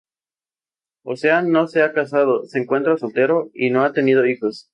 Ocean no se ha casado, se encuentra soltero y no ha tenido hijos.